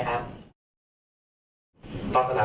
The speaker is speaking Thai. อันดับที่๑ของภาพเทียนไทย